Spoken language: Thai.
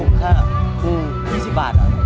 คุณค่า๒๐บาท